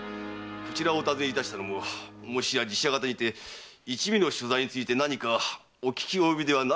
こちらをお訪ねしたのももしや寺社方にて一味の所在について何かお聞き及びではないかと。